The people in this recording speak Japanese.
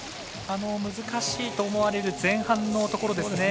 難しいと思われる前半のところ。